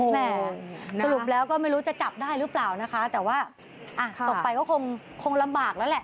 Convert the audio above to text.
แม่สรุปแล้วก็ไม่รู้จะจับได้หรือเปล่านะคะแต่ว่าตกไปก็คงลำบากแล้วแหละ